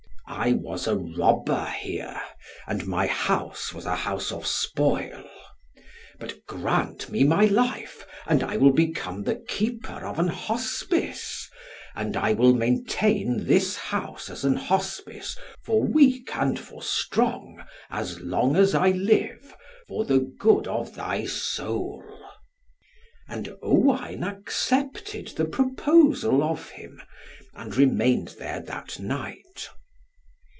I was a robber here, and my house was a house of spoil. But grant me my life, and I will become the keeper of an Hospice, and I will maintain this house as an Hospice for weak and for strong, as long as I live, for the good of thy soul." And Owain accepted the proposal of him, and remained there that night.